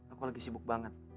aku lagi sibuk banget